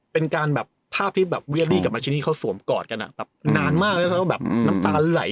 เป็นการแบบภาพที่แบบเวียรี่กับมาชินีเขาสวมกอดกันอ่ะแบบนานมากแล้วเขาต้องแบบน้ำตาไหล